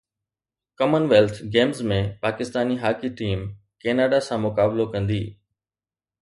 ڪمن wealth Games ۾ Pakistani hockey team Canada سان مقابلو ڪندي